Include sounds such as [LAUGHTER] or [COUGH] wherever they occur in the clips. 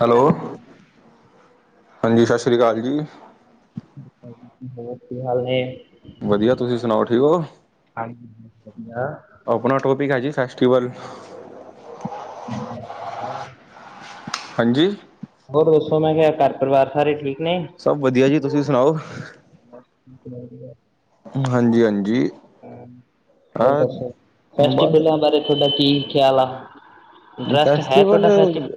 Hello ਹਾਂਜੀ, ਸਤਿ ਸ਼੍ਰੀ ਅਕਾਲ ਜੀ ਹੋਰ ਕੀ ਹਾਲ ਨੇ? ਵਧੀਆ ਤੁਸੀਂ ਸੁਣਾਓ ਠੀਕ ਹੋ ਹਾਂਜੀ ਵਧੀਆ। ਆਪਣਾ ਟੋਪਿਕ ਹੈ ਜੀ ਫੈਸਟੀਵਲ ਹੋਰ ਹਾਂਜੀ ਹੋਰ ਦੱਸੋ ਮੈਂ ਕਿਹਾ ਘਰ ਪਰਿਵਾਰ ਸਾਰੇ ਠੀਕ ਨੇ? ਸਭ ਵਧੀਆ ਜੀ ਤੁਸੀਂ ਸੁਣਾਓ? ਬ ਹਾਂਜੀ-ਹਾਂਜੀ ਬਸ ਦੱਸੋ ਬਸ ਫੈਸਟੀਵਲਾਂ ਬਾਰੇ ਤੁਹਾਡਾ ਕੀ ਖਿਆਲ ਆ? ਇੰਟਰਸਟ ਹੈ ਫੈਸਟੀਵਲ ਤੁਹਾਡਾ ਫੈਸਟੀਵਲ?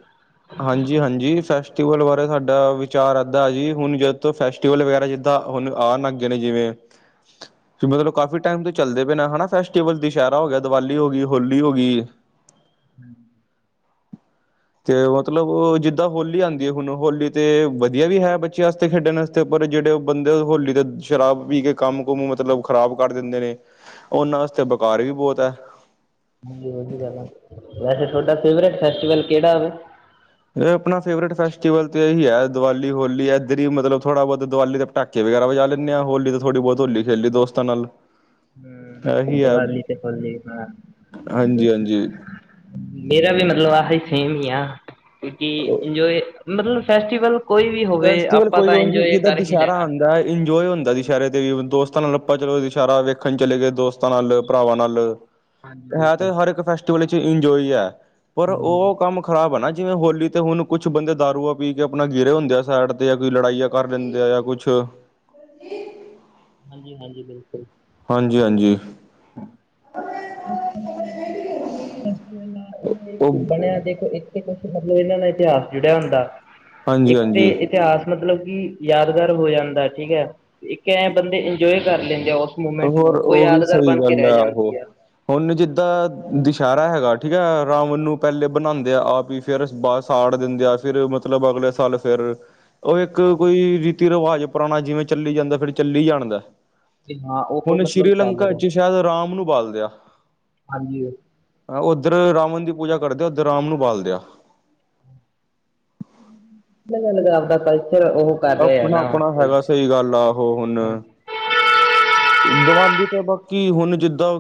ਹਾਂਜੀ ਜੀ ਹਾਂਜੀ ਫੈਸਟੀਵਲ ਬਾਰੇ ਸਾਡਾ ਵਿਚਾਰ ਇਧਾਂ ਜੀ ਹੁਣ ਜਦੋਂ ਤੋਂ ਫੈਸਟੀਵਲ ਵਗੈਰਾ ਜਿੱਦਾ। ਤਾਂ, ਹੁਣ, ਆ ਲੱਗ ਗਏ ਨੇ ਜਿਵੇਂ। ਮਤਲਬ ਕਾਫੀ ਟਾਈਮ ਤੋਂ ਚੱਲਦੇ ਪਏ ਨਾ ਹਨਾ ਫੈਸਟੀਵਲ ਦੁਸ਼ਹਿਰਾ ਹੋ ਗਿਆ, ਦੀਵਾਲੀ ਹੋ ਗਈ, ਹੋਲੀ ਹੋ ਗਈ। ਹਮ ਤੇ ਮਤਲਬ ਜਿੱਦਾਂ ਹੋਲੀ ਆਉਂਦੀ ਹੈ। ਹੁਣ ਹੋਲੀ ਤੇ ਵਧੀਆ ਵੀ ਹੈ ਬੱਚਿਆਂ ਵਾਸਤੇ ਖੇਡਣ ਵਾਸਤੇ। ਇਥੇ ਪਰ ਜਿਹੜੇ ਬੰਦੇ ਹੋਲੀ ਤੇ ਸ਼ਰਾਬ ਪੀ ਕੇ ਕੰਮ ਕੁਮ ਮਤਲਬ ਖ਼ਰਾਬ ਕਰ ਦਿੰਦੇ ਨੇ। ਉਹਨਾਂ ਵਾਸਤੇ ਬੇਕਾਰ ਵੀ ਬਹੁਤ ਹੈ। ਹਾਂਜੀ, ਹਾਂਜੀ ਵਧੀਆ ਵੈਸੇ ਤੁਹਾਡਾ ਫੇਵਰੇਟ ਫ਼ੇਸ੍ਟਿਵਲ ਕਿਹੜਾ? ਇਹ ਆਪਣਾ ਫੇਵਰੇਟ ਫੈਸਟੀਵਲ ਤੇ ਇਹੀ ਹੈ ਦੀਵਾਲੀ ਹੋਲੀ ਹੈ ਇੱਧਰ ਹੀ ਮਤਲਬ ਥੋੜਾ ਬਹੁਤ ਦੀਵਾਲੀ ਦੇ ਪਟਾਕੇ ਵਗੈਰਾ ਵਜਾ ਲੈਂਦੇ ਹਾਂ, ਹੋਲੀ ਤਾਂ ਥੋੜ੍ਹੀ ਬਹੁਤ ਹੋਲੀ ਖੇਲੀ ਦੋਸਤਾ ਨਾਲ, ਇਹੀ ਹੂੰ, ਹੈ ਵਲੀ ਤੇ ਫਲਦੀ ਆ, ਹਾਂਜੀ ਹਾਂਜੀ ਮੇਰਾ ਵੀ ਮਤਲਬ ਆਹਹੀ ਸੇਮ ਹੀ ਆ, ਕਿਉਂਕਿ ਇੰਜੋਏ ਮਤਲਬ ਫੈਸਟੀਵਲ ਕੋਈ ਵੀ ਹੋਵੇ ਫੈਸਟੀਵਲ ਆਪਾਂ ਕੋਈ ਵੀ ਤਾਂ ਹੈ, ਇੰਜੋਏ ਜਿੱਦਾਂ ਕਰ ਹੀ ਦੁਸਹਿਰਾ ਲੈਣਾ। ਆਉਦਾ ਹੈ, ਇੰਜੋਏ ਹੁੰਦਾ। ਸ਼ਹਿਰੇ ਤੇ ਵੀ ਦੋਸਤਾਂ ਨਾਲ ਲੱਪਾ ਦਸੇਰਾ ਵੇਖਣ ਚਲੇ ਗਏ, ਦੋਸਤਾਂ ਨਾਲ ਭਰਾਵਾਂ ਨਾਲ ਹਾਂਜੀ ਹੈ ਬਿਲਕੁਲ। ਤੇ ਹਰ ਇੱਕ ਫੈਸਟੀਵਲ ਵਿੱਚ ਇੰਜੋਏ ਹੈ, ਪਰ ਹੂੰ। ਉਹ ਕੰਮ ਖ਼ਰਾਬ ਹੈ, ਨਾ ਜਿਵੇਂ ਹੋਲੀ ਤੇ ਹੁਣ ਕੁਛ ਬੰਦੇ ਦਾਰੂਆ ਪੀ ਕੇ ਆਪਣਾ ਗਿਰੇ ਹੁੰਦੇ ਆ ਸਾਈਡ 'ਤੇ ਜਾਂ ਕੋਈ ਲੜਾਈਆਂ ਕਰ ਲੈਂਦੇ ਆ ਜਾਂ ਕੁਛ ਹਾਂਜੀ-ਹਾਂਜੀ ਬਿਲਕੁਲ, ਹਾਂਜੀ-ਹਾਂਜੀ, ਉਹ ਬਣਿਆ ਦੇਖੋ ਜੀ, ਕੁਛ ਮਤਲਬ ਇਹਨਾਂ ਨਾਲ ਇਤਿਹਾਸ ਜੁੜਿਆ ਹੁੰਦਾ, ਇੱਕ ਤੇ ਹਾਂਜੀ-ਹਾਂਜੀ ਇਤਿਹਾਸ ਮਤਲਬ ਕਿ ਯਾਦਗਾਰ ਹੋ ਜਾਂਦਾ ਠੀਕ ਹੈ, ਇੱਕ ਐਂ ਬੰਦੇ ਇੰਜੋਏ ਕਰ ਲੈਂਦੇ ਆ, ਉਸ ਮੂਮੈਂਟ ਨੂੰ ਹੋਰ ਉਹ ਵੀ ਯਾਦਗਾਰ ਸਹੀ ਬਣ ਕੇ ਗੱਲ ਰਹਿ ਆਹੋ। ਜਾਂਦੀ ਹੈ। ਹੁਣ ਜਿੱਦਾਂ ਦੁਸ਼ਹਿਰਾ ਹੈਗਾ ਠੀਕ ਹੈ, ਰਾਵਣ ਨੂੰ ਪਹਿਲੇ ਬਣਾਉਂਦੇ ਆ ਆਪ ਹੀ, ਫਿਰ ਬ ਸਾੜ ਦਿੰਦੇ ਆ, ਫਿਰ ਮਤਲਬ ਅਗਲੇ ਸਾਲ ਫਿਰ ਉਹ ਇੱਕ ਕੋਈ ਰੀਤੀ ਰਿਵਾਜ਼ ਪੁਰਾਣਾ ਜਿਵੇਂ ਚੱਲੀ ਜਾਂਦਾ, ਫਿਰ ਚੱਲੀ ਜਾਣਦਾ। ਤੇ ਹਾਂ ਉਹ ਮਤਲਬ ਚੱਲ ਰਿਹਾ। ਵਿੱਚ ਸ਼ਾਇਦ ਰਾਮ ਨੂੰ ਬਾਲਦਿਆ, ਹਾਂਜੀ, ਉੱਧਰ ਰਾਵਣ ਦੀ ਪੂਜਾ ਕਰਦੇ ਆ ਉੱਧਰ ਰਾਮ ਨੂੰ ਬਾਲਦੇ ਆ। ਅਲਗ-ਅਲਗ ਆਪਦਾ ਕਲਚਰ ਉਹ ਕਰ ਰਹੇ ਆ ਨਾ। ਆਪਣਾ-ਆਪਣਾ ਹੈਗਾ, ਸਹੀ ਗੱਲ ਆ ਉਹ ਹੁਣ ਦਿਵਾਲੀ ਤਾਂ ਬਾਕੀ ਹੁਣ ਜਿੱਦਾਂ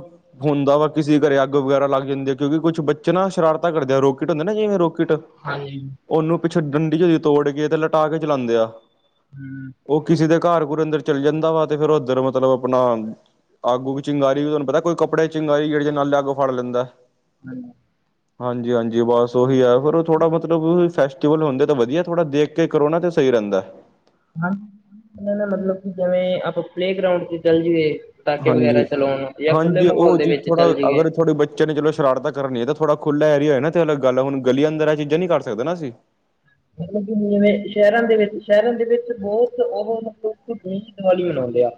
ਹੁੰਦਾ ਵਾ ਕਿਸੇ ਘਰੇ ਅੱਗ ਵਗੈਰਾ ਲੱਗ ਜਾਂਦੀ, ਕਿਉਂਕਿ ਕੁਛ ਬੱਚੇ ਨਾ ਸ਼ਰਾਰਤਾਾਂ ਕਰਦੇ ਰੋਕਟ ਹੁੰਦੇ ਨਾ, ਜਿਵੇਂ ਰੋਕਿਟ ਹਾਂਜੀ, ਉਹਨੂੰ ਪਿੱਛੋਂ ਡੰਡੀ ਜਦੀ ਤੋੜ ਕੇ ਤੇ ਲਟਾ ਕੇ ਚਲਾਉਂਦੇ ਆ। ਹੂੰ, ਉਹ ਕਿਸੇ ਦੇ ਘਰ ਘੁਰ ਅੰਦਰ ਚੱਲ ਜਾਂਦਾ, ਵਾ ਤੇ ਫ਼ੇਰ ਉੱਧਰ ਮਤਲਬ ਆਪਣਾ ਅੱਗ-ਉੱਗ ਚਿੰਗਾਰੀ ਵੀ ਤੁਹਾਨੂੰ ਪਤਾ ਕੋਈ, ਕੱਪੜੇ ਚੰਗਾਰੀ ਜੇੜੇ ਨਾਲੇ ਅੱਗ ਫੜ ਲੈਂਦਾ। ਹਾਂ, ਹਾਂਜੀ-ਹਾਂਜੀ ਬਸ ਉਹੀ ਆ ਫਿਰ ਉਹ ਥੋੜ੍ਹਾ ਮਤਲਬ, ਫੈਸਟੀਵਲ ਹੁੰਦੇ, ਤਾਂ ਵਧੀਆ ਥੋੜ੍ਹਾ ਦੇਖ ਕੇ ਕਰੋ ਨਾ ਤਾਂ ਸਹੀ ਰਹਿੰਦਾ ਹਾਂ ਨਾ ਮਤਲਬ ਕਿ ਜਿਵੇਂ, ਆਪਾਂ ਪਲੇਗਰਾਊਂਡ ਤੇ ਚੱਲ ਜਾਈਏ। ਪਟਾਕੇ ਵਗੈਰਾ ਹਾਂਜੀ। ਚਲਾਉਣ, ਜਾਂ ਖੁੱਲ੍ਹੇ ਮਾਹੌਲ ਦੇ ਵਿੱਚ ਚੱਲ ਜਾਈ ਐ। ਚ ਚੋ ਸ਼ਰਾਰਤ ਕਰਨੀ ਥੋੜਾ ਥੋੜਾ ਏਰੀਆ ਨਾ ਤੇ ਅ ਗੱਲ, ਹੁਣ ਗਲੀ ਅੰਦਰ ਇਹ ਚੀਜ਼ਾਂ ਨੀ ਕਰ ਸਕਦੇ ਅਸੀਂ, ਮਤਲਬ ਕਿ ਜਿਵੇਂ ਸ਼ਹਿਰਾਂ ਦੇ ਵਿੱਚ ਸ਼ਹਿਰਾਂ ਦੇ ਵਿੱਚ ਬਹੁਤ, ਉਹ ਮਤਲਬ ਦੇਸ਼ ਦੀਵਾਲੀ ਮਨਾਉਂਦੇ ਆ।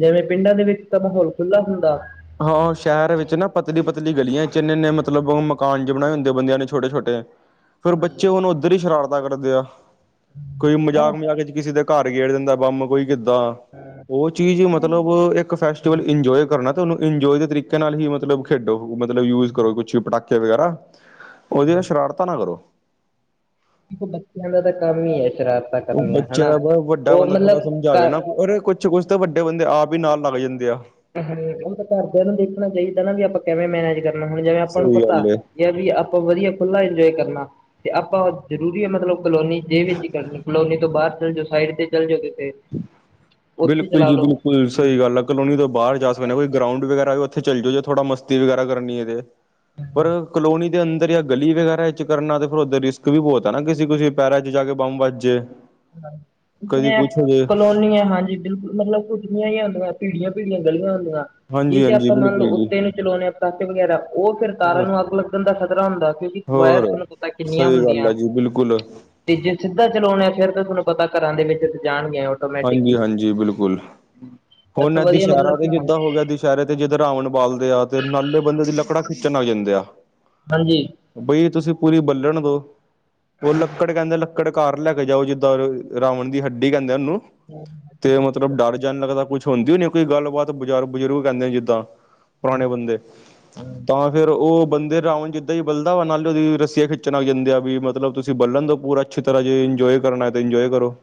ਜਿਵੇਂ ਪਿੰਡਾਂ ਦੇ ਵਿੱਚ ਤਾਂ ਮਾਹੌਲ ਖੁੱਲ੍ਹਾ ਹੁੰਦਾ। ਹਾਂ ਸ਼ਹਿਰ ਵਿੱਚ ਨਾ ਪਤਲੀ-ਪਤਲੀ ਗਲੀਆਂ ਚ ਇੰਨੇ-ਇੰਨੇ ਮਤਲਬ ਮਕਾਨ ਜੇ ਬਣਾਏ ਹੁੰਦੇ, ਬੰਦਿਆਂ ਨੇ ਛੋਟੇ-ਛੋਟੇ, [UNINTELLIGIBLE] ਫਿਰ ਬੱਚੇ ਹੁਣ ਉੱਧਰ ਹੀ ਸ਼ਰਾਰਤਾਂ ਕਰਦੇ ਆ। ਕੋਈ ਪਰ ਮਜ਼ਾਕ ਮਜ਼ਾਕ ਚ ਕਿਸੇ ਦੇ ਘਰ ਗੇੜ ਦਿੰਦਾ ਬੰਬ ਕੋਈ ਕਿੱਦਾਂ ਉਹ ਚੀਜ਼ ਮਤਲਬ ਇੱਕ ਫੈਸਟੀਵਲ ਇੰਜੋਏ ਕਰਨਾ, ਤੁਹਾਨੂੰ ਇੰਜੋਏ ਦੇ ਤਰੀਕੇ ਨਾਲ ਹੀ ਮਤਲਬ ਖੇਡੋ ਮਤਲਬ ਯੂਜ ਕਰੋ ਕੁਛ ਪਟਾਕੇ। ਵਗੈਰਾ ਉਹਦੀ ਤਾਂ ਸ਼ਰਾਰਤਾ ਨਾ ਕਰੋ। [UNINTELLIGIBLE] ਦੇ ਬੱਚਿਆਂ ਦਾ ਤਾਂ ਕੰਮ ਹੀ ਹੈ, ਸ਼ਰਾਰਤਾਂ ਉਹ ਕਰਨੀਆਂ ਬੱਚਿਆਂ ਹਨਾ, ਦਾ ਬ ਵੱਡਾ ਉਹ ਬੰਦਾ ਥੋੜਾ ਮਤਲਬ ਸਮਝਾਵੇ ਨਾ ਘਰ ਅਰੇ ਕੁਛ ਕੁਛ ਤਾਂ ਵੱਡੇ ਬੰਦੇ ਆਪ ਹੀ ਨਾਲ ਲੱਗ ਜਾਂਦੇ ਆ [UNINTELLIGIBLE] ਹੂੰ ਉਹ ਤਾਂ ਘਰਦਿਆਂ ਨੂੰ ਦੇਖਣਾ ਚਾਹੀਦਾ, ਨਾ ਵੀ ਆਪਾਂ ਕਿਵੇਂ ਮੈਨੇਜ ਕਰਨਾ ਹੁਣ ਜਿਵੇਂ ਆਪਾਂ ਨੂੰ ਸਹੀ ਪਤਾ। ਗੱਲ ਏ ਜਾਂ ਵੀ ਆਪਾਂ ਵਧੀਆ ਖੁੱਲ੍ਹਾ ਇੰਜੋਏ ਕਰਨਾ। ਤੇ ਆਪਾਂ ਜ਼ਰੂਰੀ ਮਤਲਬ ਕਲੋਨੀ ਜੇ ਵਿੱਚ ਹੀ ਕਰਨੀ, ਕਲੋਨੀ ਤੋਂ ਬਾਹਰ ਚੱਲ ਜਾਓ ਸਾਈਡ ਤੇ ਚੱਲ ਜਾਓ, ਕਿ ਫੇ ਬਿਲਕੁਲ ਜੀ ਬਿਲਕੁਲ ਹੂੰ, ਸਹੀ ਗੱਲ ਆ ਕਲੋਨੀ ਤੋਂ ਬਾਹਰ ਜਾ ਸਕਦੇ ਹੋ ਕੋਈ ਗਰਾਊਂਡ ਵਗ਼ੈਰਾ ਉੱਥੇ ਚੱਲੇ ਜਾਓ ਜੇ ਥੋੜਾ ਮਸਤੀ ਵਗ਼ੈਰਾ ਕਰਨੀ ਏ ਤੇ ਪਰ ਕਲੋਨੀ ਦੇ ਅੰਦਰ ਜਾਂ ਗਲੀ ਵਗੈਰਾ ਚ ਕਰਨਾ ਤੇ ਫਿਰ ਉੱਧਰ ਰਿਸਕ ਵੀ ਬਹੁਤ ਹੈ ਨਾ ਕਿਸੇ ਕਿਸੇ ਪੈਰਾਂ ਚ ਜਾ ਕੇ ਬੰਬ ਵੱਜੇ ਕਲੋਨੀ ਹਾਂਜੀ ਬਿਲਕੁਲ ਮਤਲਬ ਕੁੱਝੀਆਂ ਹੀ ਆਦੀਆਂ ਭੀੜੀਆਂ- ਭੀੜੀਆਂ ਗਲੀਆਂ ਹੁੰਦੀਆਂ ਹਾਂਜੀ ਜਿਹ ਤੇ ਹਾਂਜੀ ਆਪਾਂ ਮੰਨ ਲਓ ਬਿਲਕੁਲ ਜੀ ਉੱਤੇ ਨੂੰ ਚਲਾਉਂਣੇ ਹਾਂ ਪੱਟਾਕੇ ਵਗੈਰਾ, ਉਹ ਫਿਰ ਤਾਰਾਂ ਹੋਰ ਨੂੰ ਅੱਗ ਲੱਗਣ ਦਾ ਖ਼ਤਰਾ ਹੁੰਦਾ ਫਿਰ ਵਾਇਰ ਹੋਰ ਤੁਹਾਨੂੰ ਪਤਾ ਕਿੰਨੀਆਂ ਸਹੀ ਗੱਲ ਹੁੰਦੀਆਂ ਹੈ ਜੀ ਬਿਲਕੁਲ ਤੇ ਜੇ ਸਿੱਧਾ ਚਲਾਉਣੇ ਆ ਫੇਰ ਤਾਂ ਤੁਹਾਨੂੰ ਪਤਾ ਘਰਾਂ ਦੇ ਵਿੱਚ ਜਾਣਗੀਆਂ ਹਾਂਜੀ- ਹਾਂਜੀ ਬਿਲਕੁਲ, ਇਸ ਤੋਂ ਹੁਣ ਵਧੀਆ ਦੁਸ਼ਹਿਰਾ ਮਤਲਬ ਤੇ ਕਿ ਜਿੱਦਾਂ ਹੋ ਗਿਆ ਦੁਸਹਿਰੇ ਤੇ ਜਿੱਦਾ ਰਾਵਣ ਬਾਲਦੇ ਆ ਤੇ ਨਾਲੇ ਬੰਦੇ ਦੀ ਲੱਕੜਾ ਖਿੱਚਣ ਆ ਜਾਂਦੇ ਆ ਹਾਂਜੀ ਬਈ ਤੁਸੀਂ ਪੂਰੀ ਬੱਲਣ ਦੋ, ਉਹ ਲੱਕੜ ਕਹਿੰਦੇ ਲੱਕੜ ਲਕੜਕਾਰ ਲੈ ਕੇ ਜਾਓ, ਜਿੱਦਾਂ ਰਾਵਣ ਦੀ ਹੱਡੀ ਕਹਿੰਦੇ ਉਹਨੂੰ ਹਮ ਤੇ ਮਤਲਬ ਡਰ ਜਾਣ ਲੱਗਦਾ ਕੁੱਛ ਹੁੰਦੀ ਨਹੀਂ ਕੋਈ ਗੱਲਬਾਤ ਬਜ਼ਾਰ ਬਜ਼ੁਰਗ ਕਹਿੰਦੇ ਨੇ ਜਿੱਦਾਂ, ਪੁਰਾਣੇ ਬੰਦੇ ਤਾਂ ਫਿਰ ਉਹ ਬੰਦੇ ਰਾਵਣ ਜਿੱਦਾਂ ਹੀ ਬਲਦਾ ਵਾ ਨਾਲੇ ਉਹਦੀ ਰਸੀਆ ਖਿੱਚਣ ਆ ਜਾਂਦੇ ਆ ਵੀ ਮਤਲਬ ਤੁਸੀਂ ਬਲਣ ਦੋ ਪੂਰਾ ਅੱਛੀ ਤਰ੍ਹਾਂ ਜੇ ਇੰਨਜੋਏ ਕਰਨ ਆਏ ਇੰਨਜੋਏ ਕਰੋ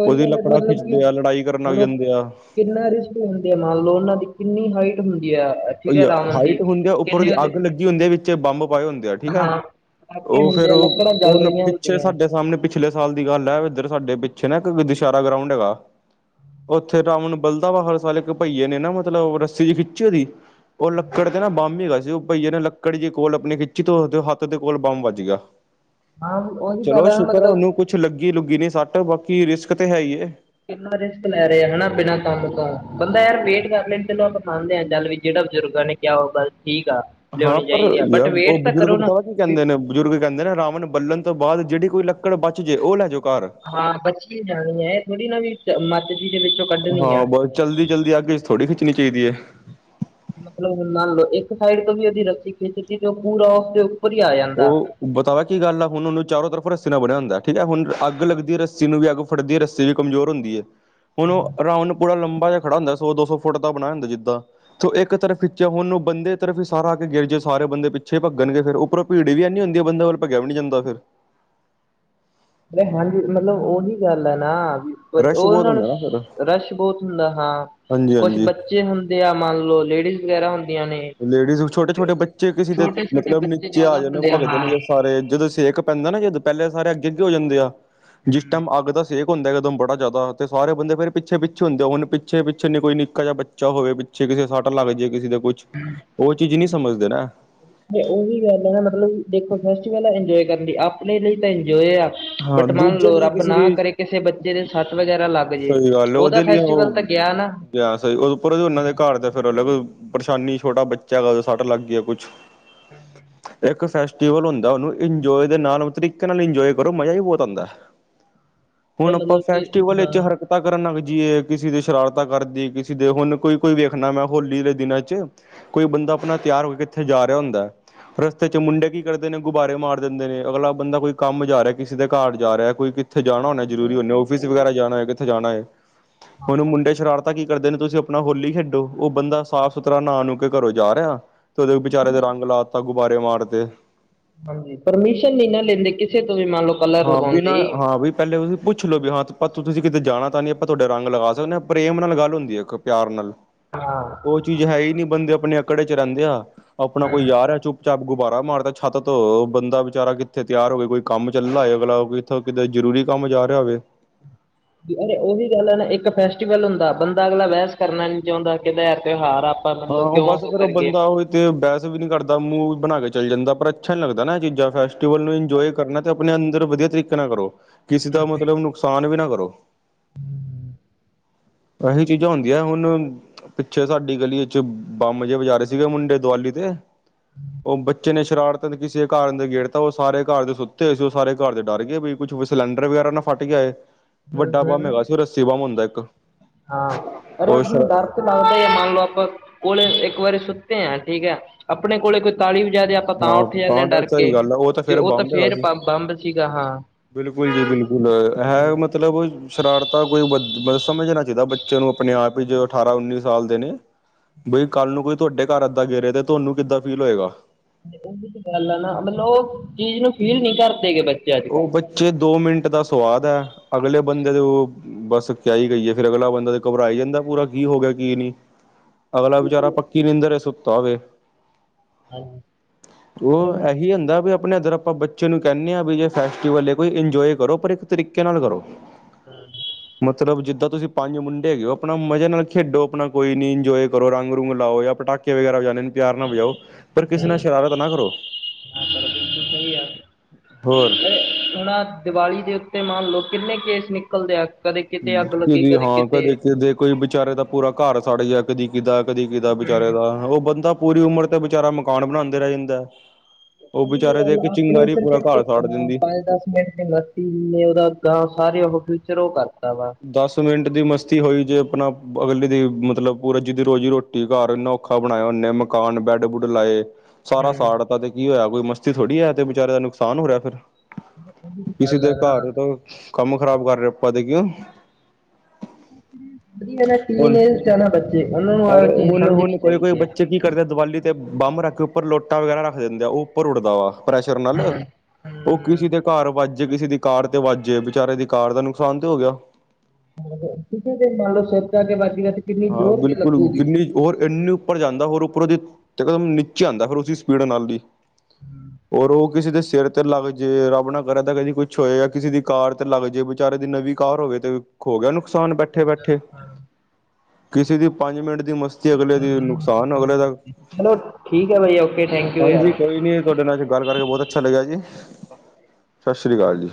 ਉਹੀ ਉਹਦੀ ਗੱਲ ਲੱਕੜਾਂ ਮਤਲਬ ਕਿ, ਖਿੱਚਦੇ ਆ ਲੜਾਈ ਕਰਨ ਲੱਗ ਹੁਣ ਜਾਂਦੇ ਆ ਕਿੰਨਾ ਰਿਸਕ ਹੁੰਦੇ ਆ ਮੰਨ ਲਓ ਉਹਨਾ ਦੀ ਕਿੰਨੀ ਹਾਈਟ ਹੁੰਦੀ ਹੈ ਠੀਕ ਰਾਵਣ ਦੀ ਹਾਈਟ ਹੁੰਦੀ ਆ, ਉੱਪਰ ਕਿੰਨੇ ਦੀ ਉਹਦੇ ਅੱਗ ਲੱਗੀ ਹੁੰਦੀ ਹੈ ਵਿੱਚ ਬੰਬ ਪਾਏ ਹੁੰਦੇ ਆ ਠੀਕ ਆ, ਹਾਂ ਪਟਾਕੇ ਉਹ ਫੇਰ ਹੁੰਦੇ ਆ ਉਹ, ਲੱਕੜਾਂ ਜਲ ਉਹ ਰਹੀਆਂ ਪਿੱਛੇ ਹੁੰਦੀਆਂ ਸਾਡੇ ਸਾਹਮਣੇ ਪਿੱਛੇ ਪਿਛਲੇ ਸਾਲ ਦੀ ਗੱਲ ਹੈ ਇੱਧਰ ਸਾਡੇ ਪਿੱਛੇ ਨਾ ਇੱਕ ਦੁਸਹਿਰਾ ਗਰਾਊਂਡ ਹੈਗਾ ਉੱਥੇ ਰਾਵਣ ਬਲਦਾ ਵ ਹਰ ਸਾਲ ਇੱਕ ਭਈਏ ਨੇ ਨਾ ਮਤਲਬ ਰੱਸੀ ਚ ਖਿੱਚੀ ਉਹਦੀ ਉਹ ਲੱਕੜ ਤੇ ਨਾ ਬੰਬ ਹੀ ਹੈਗਾ ਸੀ ਉਹ ਭਈਏ ਨੇ ਲੱਕੜ ਜ ਕੋਲ ਆਪਣੀ ਖਿੱਚੀ ਧ ਹੱਥ ਦੇ ਕੋਲ ਬੰਬ ਵੱਜ ਗਿਆ ਹਾਂ ਉਹੀ ਚਲੋ ਗਲ ਹੈ। ਸ਼ੁਕਰ ਆ ਮਤਲਬ ਉਹਨੂੰ ਕੁਛ ਲੱਗੀ- ਲੁੱਗੀ ਨੀ ਸੱਟ ਬਾਕੀ ਰਿਸਕ ਤੇ ਹੈ ਹੀ ਏ ਕਿੰਨਾ ਰਿਸਕ ਲੈ ਰਿਹਾ ਹਨਾ ਬਿਨਾਂ ਕੰਮ ਤੋਂ, ਬੰਦਾ ਯਾਰ ਵੇਟ ਕਰ ਲੈਣ ਚਲੋ ਆਪਾਂ ਮੰਨਦੇ ਹਾਂ ਜੱਲ ਵੀ ਜਿਹੜਾ ਬਜ਼ੁਰਗਾਂ ਨੇ ਕਿਆ ਹੋ ਗਲ ਠੀਕ ਆ ਹਾਂ ਲਿਆਉਣੀ ਪਰ ਚਾਹੀਦੀ ਆ ਯਾਰ ਬਟ ਉਹ ਵੇਟ ਤਾਂ ਬੁਜ਼ੁਰਗ ਕਰੋ ਨਾ ਬਤਾ ਕੀ ਵੀ ਕਹਿੰਦੇ ਨੇ ਬਜ਼ੁਰਗ ਕਹਿੰਦੇ ਨੇ ਰਾਵਣ ਬੱਲਣ ਤੋਂ ਬਾਅਦ ਜਿਹੜੀ ਕੋਈ ਲੱਕੜ ਬਚ ਜੇ ਉਹ ਲੈ ਜਾਉ ਘਰ ਹਾਂ ਬਚੀ ਜਾਣੀ ਹੈ ਇਹ ਥੋੜੀ ਨਾ ਵੀ ਮੱਤ ਜੀ ਦੇ ਵਿੱਚੋਂ ਕੱਢਣੀ ਹਾਂ ਆ ਬਸ ਜਲਦੀ ਜਲਦੀ ਅੱਗ ਚ' ਥੋੜੀ ਖਿੱਚਣੀ ਚਾਹੀਂਦੀ ਹੈ ਮਤਲਬ ਹੁਣ ਮਨ ਲਓ, ਇੱਕ ਸਾਈਡ ਤੋਂ ਵੀ ਉਹਦੀ ਰੱਸੀ ਖਿੱਚਤੀ ਤੇ ਉਹ ਪੂਰਾ ਉਸਦੇ ਉੱਪਰ ਹੀ ਆ ਜਾਂਦਾ ਉਹ ਬਤਾਵਾ ਕੀ ਗੱਲ ਆ ਹੁਣ ਉਹਨੂੰ ਚਾਰੋ ਤਰਫ ਰੱਸੀ ਨਾਲ ਬਣਿਆ ਹੁੰਦਾ ਠੀਕ ਹੈ ਹੁਣ ਅੱਗ ਲੱਗਦੀ ਹੈ ਰੱਸੀ ਨੂੰ ਵੀ ਅੱਗ ਫੜਦੀ ਹੈ ਰੱਸੀ ਵੀ ਕਮਜ਼ੋਰ ਹੁੰਦੀ ਹੈ ਹੁਣ ਉਹ ਆਰਾਉਨਡ [UNINTELLIGIBLE] ਪੂਰਾ ਲੰਬਾ ਜ ਖੜਾ ਹੁੰਦਾ ਸੋ ਦੋ ਸੌ ਫੁੱਟ ਬਣਾਇਆ ਹੁੰਦਾ ਜਿੱਦਾਂ ਤੋ ਇੱਕ ਤਰਫ ਖਿੱਚਿਆ ਹੁਣੂੰ ਬੰਦੇ ਤਰਫ ਹੀ ਸਾਰਾ ਆ ਕੇ ਗਿਰ ਜਾ ਸਾਰੇ ਬੰਦੇ ਪਿੱਛੇ ਭਗਣਗੇ ਫਿਰ ਉੱਪਰੋਂ ਭੀੜ ਵੀ ਇੰਨੀ ਹੁੰਦੀ ਬੰਦੇ ਕੋਲ ਭੱਜਿਆ ਵੀ ਨੀ ਜਾਂਦਾ ਫਿਰ ਹਾਂਜੀ, ਮਤਲਬ ਉਹੀ ਗੱਲ ਆ ਨਾ, ਰਸ਼ ਬਹੁਤ ਉਹਨਾਂ ਨੂੰ ਹੁੰਦਾ ਨਾ ਫਿਰ ਰਸ਼ ਬਹੁਤ ਹੁੰਦਾ ਹਾਂ, ਹਾਂਜੀ ਕੁਛ ਹਾਂਜੀ ਬੱਚੇ ਹੁੰਦੇ ਆ ਮੰਨ ਲਓ, ਲੇਡੀਜ਼ ਵਗੈਰਾ ਹੁੰਦੇ ਲੇਡੀਜ਼ ਛੋਟੇ -ਛੋਟੇ ਬੱਚੇ ਕਿਸੇ ਦੇ ਛੋਟੇ ਛੋਟੇ ਮਤਲਬ ਬੱਚੇ ਨੀਚੇ ਆ ਜ਼ਿਆਦਾ ਜਾਂਦੇ ਹੁੰਦੇ ਭੱਜਦੇ ਹਾਂ ਨੇ ਜਾਂ ਸਾਰੇ ਜਦੋਂ ਸੇਕ ਪੈਂਦਾ ਨਾ ਜਦੋਂ, ਪਹਿਲੇ ਸਾਰੇ ਅੱਗੇ- ਅੱਗੇ ਹੋ ਜਾਂਦੇ ਆ ਜਿਸ ਹਮ ਟਾਈਮ ਅੱਗ ਦਾ ਸੇਕ ਹੁੰਦਾ ਇੱਕਦਮ ਬੜਾ ਜ਼ਿਆਦਾ ਤੇ ਸਾਰੇ ਬੰਦੇ ਫੇਰ ਪਿੱਛੇ- ਪਿੱਛੇ ਹੁੰਦੇ ਨੇ ਪ ਪਿੱਛੇ -ਪਿੱਛੇ ਨਹੀਂ ਕੋਈ ਨਿੱਕਾ ਜਿਹਾ ਬੱਚਾ ਹੋਵੇ ਪਿੱਛੇ ਕਿਸੇ ਸੱਟ ਲੱਗ ਜਾਵੇ ਕਿਸੇ ਦਾ ਕੁਛ ਉਹ ਚੀਜ਼ ਨਹੀਂ ਸਮਝਦੇ ਨਾ ਤੇ ਉਹੀ ਗੱਲ ਹੈ ਮਤਲਬ ਦੇਖੋ ਫੈਸਟੀਵਲ ਆ ਇੰਜੋਏ ਕਰਨ ਦੀ ਆਪਣੇ ਲਈ ਤਾਂ ਇੰਜੋਏ ਆ ਹਾਂ ਬਟ ਮੰਨ ਦੂਜੇ ਲਓ ਲਈ ਰੱਬ ਕਿਸੇ ਨਾ ਦੀ ਕਰੇ ਕਿਸੇ ਬੱਚੇ ਦੇ ਸੱਟ ਵਗੈਰਾ ਲੱਗ ਜੇ, ਸਹੀ ਗੱਲ ਉਹਦਾ ਉਹਦੇ ਲਈ ਉਹ ਫੈਸਟੀਵਲ ਤਾਂ ਗਿਆ ਨਾ ਸਹੀ ਉਦਪਰ ਉਹਨਾਂ ਦੇ ਘਰ ਤੇ ਫਿਰ ਪਰੇਸ਼ਾਨੀ ਛੋਟਾ ਬੱਚਾ ਸੱਟ ਲੱਗ ਗਿਆ ਕੁਛ ਹਮ ਇੱਕ ਫੈਸਟੀਵਲ ਹੁੰਦਾ ਉਹਨੂੰ ਇੰਜੋਏ ਦੇ ਨਾਲ ਤਰੀਕੇ ਨਾਲ ਇੰਜੋਏ ਪਰ ਉਹ ਮਜ਼ਾ ਹੀ ਬੌਤ ਆਦਾ, ਤੇ ਹੁਣ ਆਪਾਂ ਮਤਲਬ ਕਿ ਫੈਸਟੀਵਲ ਹਾਂ ਵਿੱਚ ਹਰ ਤਾ ਕਰਨ ਲਗ ਜੀਏ ਕਿਸੇ ਦੇ ਸ਼ਰਾਰਤਾ ਕਰਦੀ ਕਿਸੇ ਦੇ ਹੁਣ ਕੋਈ-ਕੋਈ ਵੇਖਣਾ ਮੈਂ ਹੋਲੀ ਦੇ ਦਿਨਾ ਚ। ਕੋਈ ਬੰਦਾ ਆਪਣਾ ਤਿਆਰ ਹੋ ਕੇ ਥੇ ਜਾ ਰਿਹਾ ਹੁੰਦਾ ਹੈ ਰਸਤੇ ਚ ਮੁੰਡੇ ਕੀ ਕਰਦੇ ਨੇ ਗੁਬਾਰੇ ਮਾਰ ਦਿੰਦੇ ਨੇ ਅਗਲਾ ਬੰਦਾ ਕੋਈ ਕੰਮ ਜਾ ਰਿਹਾ ਕਿਸੇ ਦੇ ਘਰ ਜਾ ਰਿਹਾ ਕੋਈ ਥੇ ਜਾਣਾ ਹੋੁੰਣਾ ਜ਼ਰਰੀ ਹਾਂ ਹੁੰਦੇ ਉਹੀ ਆਫਿਸ ਗੱਲ ਹੈ ਵਗੈਰਾ ਮਤਲਬ ਜਾਣਾ ਹੋ ਕਿੱਥੇ ਜਾਣਾ ਹੈ ਉਹਨੂੰ ਮੁੰਡੇ ਸ਼ਰਾਰ ਪਤਾ ਕੀ ਕਰਦੇ ਨੇ ਤੁਸੀਂ ਆਪਣਾ ਹੋਲੀ ਖੇਡੋ ਉਹ ਬੰਦਾ ਸਾਫ਼ ਸੁਥਰਾ ਨਾ ਨੂ ਕੇ ਘਰੋ ਜਾ ਰਿਹਾ ਤੇ ਉਹਦੇ ਬੇਚਾਰੇ ਦੇ ਰੰਗ ਲਾ ਤਾ ਗੁਬਾਰੇ ਮਾਰਤੇ। ਹਾਂਜੀ ਪਰਮਿਸ਼ਨ ਨਹੀਂ ਨਾ ਲੈਂਦੇ ਕਿਸੇ ਤੋਂ ਵੀ ਮੰਨ ਲਓ ਕਲਰ ਹਾ ਲਗਾਉਣ ਬਿਨਾਂ ਲਈ ਹਾ ਵੀ ਪਹਿਲੇ ਉਹ ਪੁੱਛ ਲੋ ਵੀ ਹਾ ਤੁਸੀ ਕਿਤੇ ਜਾਣਾ ਤਾ ਨੀ ਆਪਾ ਤੁਹਾਡੇ ਰੰਗ ਲਗਾ ਸਕਦੇ ਹਾ ਪ੍ਰੇਮ ਨਾਲ ਗੱਲ ਹੁੰਦੀ ਹੈ ਇੱਕ ਪਿਆਰ ਨਾਲ। ਹਾਂ ਉਹ ਚੀਜ਼ ਹੈ ਹੀ ਨਹੀਂ ਬੰਦੇ ਆਪਣੇ ਅਕੜ ਚ ਰਹਿੰਦੇ ਆ ਆਪਣਾ ਕੋਈ ਆ ਰਹਾ ਚੁੱਪ ਚਾਪ ਗੁਬਾਰਾ ਮਾਰਤਾ ਛੱਤ ਤੋ ਬੰਦਾ ਵਿਚਾਰਾ ਕਿੱਥੇ ਤਿਆਰ ਹੋਵੇ ਕੋਈ ਕੰਮ ਚੱਲਾ ਏ ਅਗਲਾ ਇੱਥੋਂ ਕਿਤੇ ਜਰੂਰੀ ਕੰਮ ਜਾ ਰਿਹਾ ਹੋਵੇ। ਅ ਉਹੀ ਗੱਲ ਹੈ ਨਾ ਇੱਕ ਫੈਸਟੀਵਲ ਹੁੰਦਾ ਬੰਦਾ ਅਗਲਾ ਬਹਿਸ ਕਰਨਾ ਨੀ ਚਾਹੁੰਦਾ ਕਿਹਦਾ ਤਿਉਹਾਰ ਆ ਮਤਲਬ ਹਾਂ ਕਿਉਂ ਬਸ ਫਿਰ ਉਹ ਕਰੀਏ ਬੰਦਾ ਉਹ ਤੇ ਬਹਿਸ ਵੀ ਨੀ ਕਰਦਾ ਮੂੰਹ ਬਣਾ ਕੇ ਚੱਲ ਜਾਂਦਾ ਪਰ ਅੱਛਾ ਨੀ ਲੱਗਦਾ ਨਾ ਇਹ ਚੀਜ਼ਾ ਫੈਸਟੀਵਲ ਨੂੰ ਇੰਜੋਏ ਕਰਨਾ ਤੇ ਆਪਣੇ ਅੰਦਰ ਵਧੀਆ ਤਰੀਕੇ ਨਾਲ ਕਰੋ ਕਿਸੇ ਹਮ ਦਾ ਮਤਲਬ ਨੁਕਸਾਨ ਵੀ ਨਾ ਕਰੋ। ਇਹੀ ਚੀਜ਼ਾਂ ਹੁੰਦੀਆਂ ਹੁਣ ਪਿੱਛੇ ਸਾਡੀ ਗਲੀ ਇਚ ਬੰਬ ਜਿਹੇ ਵਜਾ ਰੇ ਸੀਗੇ ਮੁੰਡੇ ਦੁਆਲੀ ਤੇ ਉਹ ਬੱਚੇ ਨੇ ਸ਼ਰਾਰਤ ਕਿਸੇ ਘਰ ਦੇ ਅੰਦ ਗੇਰਤਾਂ ਉਹ ਸਾਰੇ ਘਰ ਦੇ ਸੁੱਤੇ ਹੋਏ ਸੀ ਉਹ ਸਾਰੇ ਘਰ ਦੇ ਡਰ ਗਏ ਵੀ ਕੁੱਛ ਸਿਲੰਡਰ ਵਗੈਰਾ ਨਾ ਫਟ ਗਿਆ ਏ ਵੱਡਾ ਹਮ ਬੰਮ ਹਮ ਹੈਗਾ ਸੀ ਉਹ ਰੱਸੀ ਬੰਮ ਹੁੰਦਾ ਇੱਕ। ਹਾਂ [UNINTELLIGIBLE] ਡਰ ਉਹ ਸ਼ਰਾ ਲੱਗਦਾ ਹੈ ਮੰਨ ਲਓ ਆਪਾ ਕੋਲੇ ਇੱਕ ਵਾਰੀ ਸੁੱਤੇ ਹਾਂ ਠੀਕ ਹੈ ਆਪਣੇ ਕੋਲੇ ਕੋਈ ਤਾਲੀ ਵਜਾ ਦੇ ਆਪ ਆਪਾ ਤਾ ਹਾਂ ਉੱਠ ਜਾਂਦੇ ਹਾ ਤਾਂ ਡਰ ਕੇ ਸਹੀ ਗੱਲ ਹੈ ਤੇ ਫੇਰ ਉਹ ਤਾਂ ਬੰਬ ਹੈਗਾ ਫੇਰ ਸੀ ਬੰਬ ਸੀਗਾ ਹਾ। ਬਿਲਕੁਲ ਜੀ ਬਿਲਕੁਲ ਹੈ ਮਤਲਬ ਸ਼ਰਾਰਤਾ ਕੋਈ ਮਤਲਬ ਸਮਝਣਾ ਚਾਹੀਦਾ ਬੱਚਿਆਂ ਨੂੰ ਆਪਣੇ ਆਪ ਹੀ ਅਠਾਰਾਂ ਉੱਨੀ ਸਾਲ ਦੇ ਨੇ। ਬਈ ਕੱਲ ਨੂੰ ਕੋਈ ਤੁਹਾਡੇ ਘਰ ਏਦਾ ਗੇਹੇ ਤੇ ਤੁਹਾਨੂੰ ਕਿੱਦਾ ਫੀਲ ਹੋਏਗਾ। ਉਹੀ ਤੇ ਗੱਲ ਆ ਨਾ ਮਤਲਬ ਉਹ ਚੀਜ਼ ਨੂੰ ਫੀਲ ਨੀ ਕਰਦੇ ਗਏ ਬੱ ਉਹ ਬੱਚੇ ਦੋ ਮਿੰਟ ਦਾ ਸਵਾਦ ਹੈ ਅਗਲੇ ਬੰਦੇ ਦੇ ਉਹ ਬਸ ਕਿਆ ਹੀ ਕਈਏ ਫੇਰ ਅਗਲਾ ਬੰਦਾ ਤੇ ਘਬਰਾ ਈ ਜਾਂਦਾ ਪੂਰਾ ਕੀ ਹੋ ਗਿਆ ਕੀ ਨੀ। ਅਗਲਾ ਵਿਚਾਰਾ ਪੱਕੀ ਨਿੰਦਰ ਰਹੇ ਸੁੱਤਾ ਵੇ। ਹਾਂਜੀ ਅਰੇ ਉਹ ਹੁਣ ਹਾਂ ਇਹੀ ਹੁੰਦਾ ਵੀ ਆਪਣੇ ਇੱਧਰ ਆਪਾ ਬੱਚੇ ਨੂੰ ਕਹਿਨੇ ਹਾ ਵੀ ਜੇ ਫੈਸਟੀਵਲ ਏ ਕੋਈ ਇੰਜੋਏ ਕਰੋ ਪਰ ਇੱਕ ਤਰੀਕੇ ਨਾਲ ਕਰੋ। ਹੂੰ। ਮਤਲਬ ਜਿੱਦਾ ਤੁਸੀਂ ਪੰਜ ਮੁੰਡੇ ਹੈਗੇ ਹੋ ਆਪਣਾ ਮਜ਼ੇ ਨਾਲ ਖੇਡੋ ਆਪਣਾ ਕੋਈ ਨੀ ਇੰਜੋਏ ਕਰੋ ਰੰਗ ਰੂੰਗ ਲਾਓ ਯਾ ਪਟਾਕੇ ਵਗੈਰਾ ਵਜਾਉਣੇ ਨੇ ਪਿਆਰ ਨਾਲ ਵਜਾਓ ਪਰ ਕਿਸੇ ਨਾਲ ਸ਼ਰਾਰਾਤ ਨਾ ਕਰੋ। ਪਰ ਬਿਲਕੁਲ ਸਹੀ ਆ। ਹੋਰ ਹੁਣ ਦੀਵਾਲੀ ਦੇ ਉੱਤੇ ਮੰਨ ਲਓ ਕਿੰਨੇ ਕੇਸ ਨਿਕਲਦੇ ਆ। ਕਦੇ ਕਿਤੇ ਅੱਗ ਲੱਗੀ ਕਿਦੀ ਹਾਂ ਕਦੇ ਕਿਤੇ ਕਿਦੇ ਕੋਈ ਵਿਚਾਰੇ ਦਾ ਪੂਰਾ ਘਰ ਸੜ ਗਿਆ ਕਦੀ ਕਿਦਾ ਕਦੀ ਕਿਦਾ ਵਿਚਾਰੇ ਦਾ ਉਹ ਬੰਦਾ ਪੂਰੀ ਉਮਰ ਤੇ ਵਿਚਾਰਾ ਮਕਾਨ ਬਣਾਦੇ ਰਹ ਜਾਂਦਾ। ਉਹ ਉਹੀ ਤੇ ਵਿਚਾਰੇ ਦੇ ਗੱਲ ਹੈ ਇੱਕ ਆਪਣੀ ਚਿੰਗਾਰੀ ਸਿਰਫ ਪੂਰਾ ਘਰ ਇੱਕ ਸਾੜ ਦਿੰਦੀ ਪੰਜ ਦਸ ਮਿੰ [UNINTELLIGIBLE] ਉਹਦਾ ਗਾਂ ਸਾਰੇ ਉਹ ਫਿਊਚਰ ਉਹ ਕਰਤਾ ਵਾ। ਦਸ ਮਿੰਟ ਦੀ ਮਸਤੀ ਹੋਈ ਜੇ ਆਪਣਾ ਅਗਲੀ ਦੀ ਮਤਲਬ ਪੂਰਾ ਜਿਦੀ ਰੋਜ਼ੀ ਰੋ ਟੀ ਘਰ ਇੰਨਾ ਅਨੋਖਾ ਬਣਾਇਆ ਉਨੇ ਮਕਾਨ ਬੈੱਡ-ਬੁੱਡ ਲਾਏ। ਸਾਰਾ ਹੂੰ ਸਾੜਤਾ ਤੇ ਕੀ ਹੋਇਆ, ਕੋਈ ਮਸਤੀ ਥੋੜ੍ਹੀ ਹੈ, ਇਹ ਤੇ ਵਿਚਾਰੇ ਦਾ ਨੁਕਸਾਨ ਹੋ ਰਿਹਾ ਫਿਰ। ਉਹੀ ਤਾਂ ਕਿਸੇ ਗੱਲ ਦੇ ਹੈ ਨਾ ਘਰ ਤੋਂ ਕੰਮ ਖ਼ਰਾਬ ਕਰ ਰਹੇ ਆਪਾਂ ਤੇ ਕਿਉ। ਵਧੀਆ ਹੁਣ ਨਹੀਂ ਬੱਚੇ ਉਹਨਾ ਨੂੰ ਆਹ ਚੀਜ਼ ਸਮਝਣੀ ਚਾਹੀਦੀ ਹੈ। ਕਿ ਕਰਦੇ ਆ ਦੀਵਾਲੀ ਅਤੇ ਬੰਬ ਰੱਖੀ ਉਪਰ ਲੋਟਾ ਵਗੈਰਾ ਰੱਖਦੇ ਦਿੰਦੇ ਆ, ਉਹ ਉੱਪਰ ਉੱਡਦਾ ਵਾ। ਪ੍ਰੈਸ਼ਰ ਨਾਲ ਉਹ। ਹੂੰ ਕਿਸੇ ਦੇ ਘਰ ਵੱਜੇ ਕਿਸੇ ਦੀ ਕਾਰ ਤੇ ਵੱਜੇ ਵਿਚਾਰੇ ਦੀ ਕਾਰ ਦਾ ਨੁਕਸਾਨ ਤੇ ਹੋ ਗਿਆ ਹੈ। ਮੰਨ ਲਓ ਕਿਸੇ ਦੇ ਮੰਨ ਲਓ ਸਿਰ 'ਚ ਆਕੇ ਵੱਜ ਗਿਆ ਤੇ। ਕਿੰਨੀ ਹਾਂ ਜ਼ੋਰ ਦੀ ਬਿਲਕੁਲ ਲੱਗੂਗੀ ਜਿੰਨੀ। ਔਰ ਇੰਨੀ ਉੱਪਰ ਜਾਂਦਾ ਹੋਰ ਉੱਪਰੋਂ ਦੀ ਦੇਖੋ ਨੀਚੇ ਆਉਂਦਾ, ਫਿਰ ਉਸਦੀ ਸਪੀਡ ਨਾਲ ਦੀ। ਹੂੰ ਔਰ ਉਹ। ਕਿਸੇ ਦੇ ਸਿਰ ਤੇ ਲੱਗ ਜੇ ਰੱਬ ਨਾ ਕਰ ਤਾਂ ਕਦੀ ਕੁਛ ਹੋਏ ਜਾਂ, ਕਿਸੇ ਦੀ ਕਾਰ ਤੇ ਲੱਗ ਜੇ ਵਿਚਾਰੇ ਦੀ ਨਵੀਂ ਕਾਰ ਹੋਵੇ ਤੇ। ਹੋ ਗਿਆ ਨੁਕਸਾਨ ਬੈਠੇ ਬੈਠੇ। ਕਿਸੀ ਦੀ ਪੰਜ ਮਿੰਟ ਦੀ ਮਸਤੀ। ਅਗਲੇ ਦੀ ਨੁਕਸਾਨ ਅਗਲੇ ਦਾ, ਚਲੋ ਠੀਕ ਹੈ ਭਾਈ ਓਕੇ ਥੈਂਕ ਯੂ ਹਾਂਜੀ ਯਾਰ ਕੋਈ ਨੀ ਤੁਹਾਡੇ ਨਾਲ। ਗੱਲ ਕਰਕੇ ਬਹੁਤ ਅੱਛਾ ਲੱਗਿਆ ਜੀ, ਸਤਿ ਸ਼੍ਰੀ ਅਕਾਲ ਜੀ।